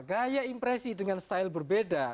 gaya impresi dengan style berbeda